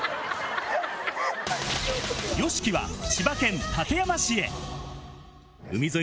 ＹＯＳＨＩＫＩは千葉県館山市へ。